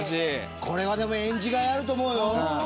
これはでも演じがいあると思うよ。